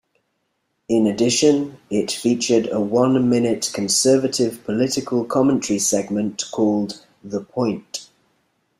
In addition, it featured a one-minute conservative political commentary segment called "The Point".